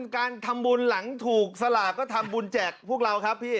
การทำบุญหลังถูกสลากก็ทำบุญแจกพวกเราครับพี่